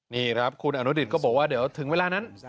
นี่ครับคุณอนุดิตก็บอกว่าเดี๋ยวถึงเวลานั้น